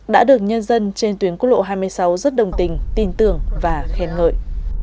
đã được nhân dân trên tuyến quốc lộ hai mươi sáu rất đồng tình tin tưởng và khen ngợi